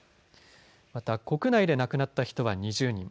また、国内で亡くなった人は２０人。